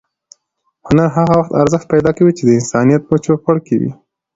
هنر هغه وخت ارزښت پیدا کوي چې د انسانیت په چوپړ کې وي.